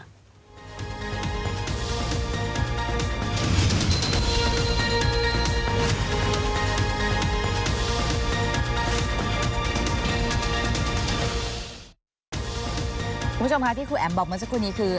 คุณผู้ชมค่ะที่ครูแอ๋มบอกเมื่อสักครู่นี้คือ